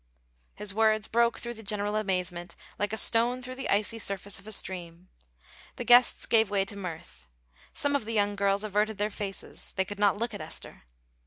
His words broke through the general amazement like a stone through the icy surface of a stream. The guests gave way to mirth. Some of the young girls averted their faces; they could not look at Esther.